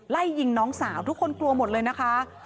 ไล่ยิงน้องสาวทุกคนกลัวหมดเลยนะคะ